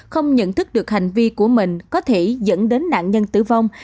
không nhận thức được hành vi của mình có thể dẫn đến nạn nhân tử vong